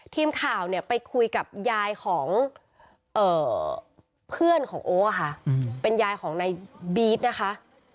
ทีมข่าวเนี่ยไปคุยกับยายของเพื่อนของโอ๊ะค่ะเป็นยายของนายบี๊ดนะคะ